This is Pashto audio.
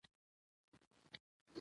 سړی د خپلې کورنۍ د هوساینې لپاره هڅه کوي